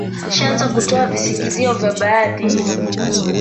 shaaza kutoa visingizio vya baadhi